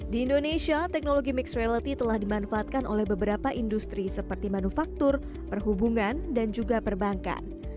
di indonesia teknologi mixed reality telah dimanfaatkan oleh beberapa industri seperti manufaktur perhubungan dan juga perbankan